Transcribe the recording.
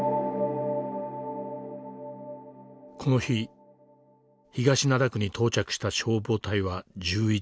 この日東灘区に到着した消防隊は１１。